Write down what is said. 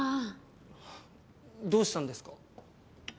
どうしたんですか？